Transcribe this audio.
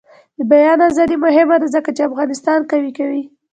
د بیان ازادي مهمه ده ځکه چې افغانستان قوي کوي.